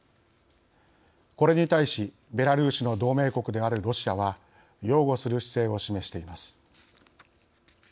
これに対し、ベラルーシの同盟国であるロシアは擁護する姿勢を示しています。